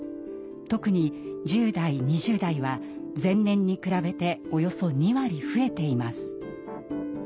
特に１０代２０代は前年に比べておよそ２割増えています。